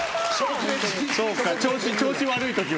調子悪い時は。